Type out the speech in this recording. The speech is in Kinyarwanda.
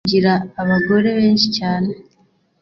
ikindi kandi, ntagomba kugira abagore benshi cyane: